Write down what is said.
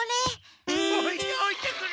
おいておいてくれ！